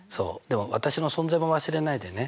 でも私の存在も忘れないでね。